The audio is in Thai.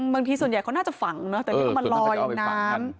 บางทีส่วนใหญ่เขาน่าจะฝังแต่มันลอยอยู่น้ำ